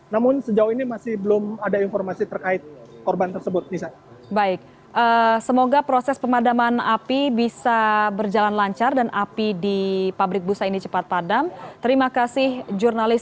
namun sejauh ini masih belum ada informasi terkait